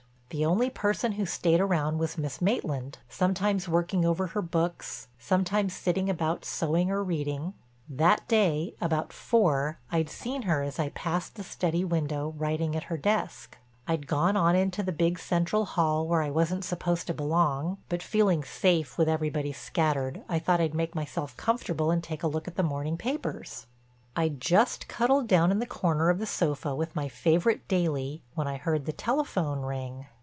The only person who stayed around was Miss Maitland, sometimes working over her books, sometimes sitting about sewing or reading. That day—about four—I'd seen her as I passed the study window writing at her desk. I'd gone on into the big central hall where I wasn't supposed to belong, but feeling safe with everybody scattered, I thought I'd make myself comfortable and take a look at the morning papers. I'd just cuddled down in the corner of the sofa with my favorite daily when I heard the telephone ring.